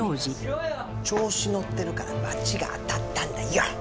調子乗ってるから罰が当たったんだよ！